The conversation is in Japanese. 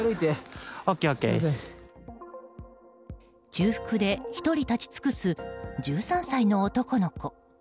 中腹で１人立ち尽くす１３歳の男の子。